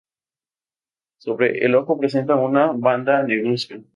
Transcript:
Sobre el ojo presenta una banda negruzca.